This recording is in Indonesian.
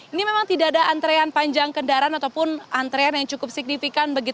ini memang tidak ada antrean panjang kendaraan ataupun antrean yang cukup signifikan